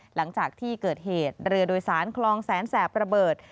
หลังจากที่เกิดเหตุเรือโดยสารคลองแสนแสบระเบิด